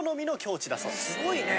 すごいね！